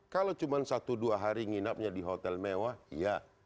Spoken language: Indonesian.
kalau cuma satu dua hari nginapnya di hotel mewah iya